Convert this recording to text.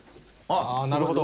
ああなるほど。